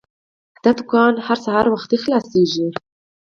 دا دوکان هر سهار وختي خلاصیږي.